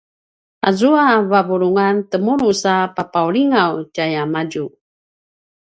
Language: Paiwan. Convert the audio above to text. azua vavulungan temulu sa papaulingaw tjayamadju